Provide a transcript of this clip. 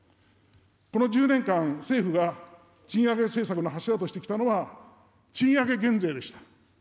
この１０年間、政府が賃上げ政策の柱としてきたのは賃上げ減税でした。